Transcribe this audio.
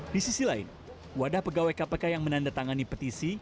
di sisi lain wadah pegawai kpk yang menandatangani petisi